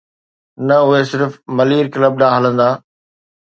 نه، اهي صرف ملير ڪلب ڏانهن هلندا.